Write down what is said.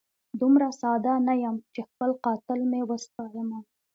دومره ساده نه یم چي خپل قاتل مي وستایمه